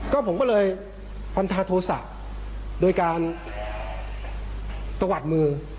ก็ผมก็เลยปัญหาโทษศักดิ์โดยการตวัดมือ